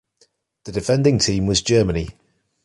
The defending team was Germany.